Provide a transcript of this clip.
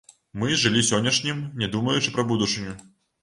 Мы жылі сённяшнім, не думаючы пра будучыню.